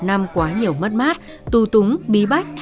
năm quá nhiều mất mát tu túng bí bách